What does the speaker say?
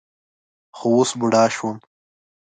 خو اوس بوډا شوم.